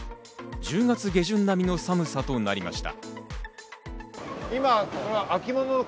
１０月下旬並みの寒さとなりました。